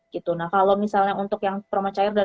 kalau misalnya untuk yang promocair dan